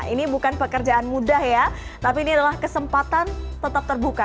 ini bukan pekerjaan mudah ya tapi ini adalah kesempatan tetap terbuka